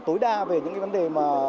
tối đa về những vấn đề